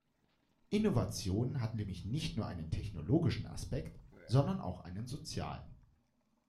Innovation hat nämlich nicht nur einen technologischen Aspekt, sondern auch einen sozialen.